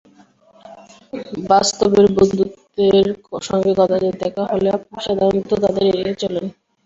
বাস্তবের বন্ধুদের সঙ্গে কদাচিৎ দেখা হলেও আপনি সাধারণত তাঁদের এড়িয়ে চলেন।